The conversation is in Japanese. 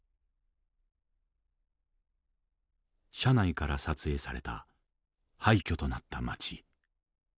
車内から撮影された廃虚となった街。